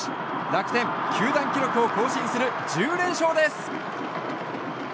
楽天、球団記録を更新する１０連勝です。